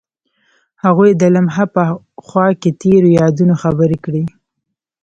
هغوی د لمحه په خوا کې تیرو یادونو خبرې کړې.